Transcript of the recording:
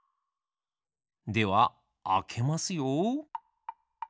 ではあけますよ。